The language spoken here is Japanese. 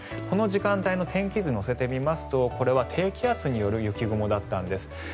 この時間帯の天気図乗せてみますとこれは低気圧による雪雲だったんです。